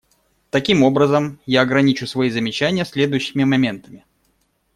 Таким образом, я ограничу свои замечания следующими моментами.